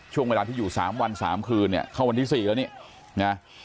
ช่วงเวลาที่อยู่๓วัน๓คืนเนี่ยเข้าวันที่๔แล้วนี่นะ